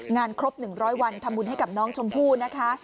ครบ๑๐๐วันทำบุญให้กับน้องชมพู่นะคะ